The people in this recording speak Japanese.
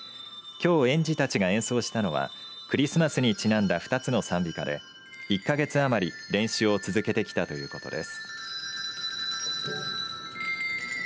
きょう園児たちが演奏したのはクリスマスにちなんだ２つの賛美歌で１か月余り練習を続けてきたということです。